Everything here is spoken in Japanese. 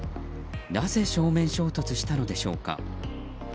なぜ正面衝突したのでしょうか。